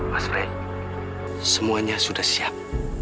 mas rey semuanya sudah siap